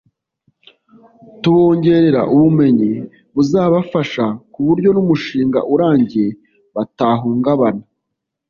tubongerera ubumenyi buzabafasha ku buryo n’umushinga urangiye batahungabana